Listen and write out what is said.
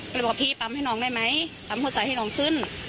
ก็เลยบอกพี่ปั๊มให้น้องได้ไหมปั๊มหัวใจให้น้องขึ้น